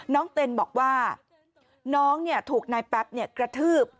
เต็นบอกว่าน้องถูกนายแป๊บกระทืบ